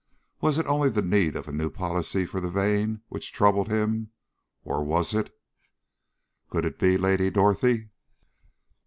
Was it only the need of a new policy for The Vane which troubled him? Or was it Could it be Lady Dorothy?